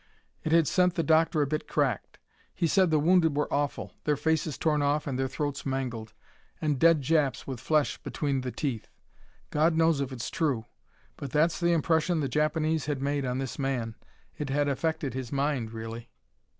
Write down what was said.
It had sent the doctor a bit cracked. He said the wounded were awful, their faces torn off and their throats mangled and dead Japs with flesh between the teeth God knows if it's true. But that's the impression the Japanese had made on this man. It had affected his mind really."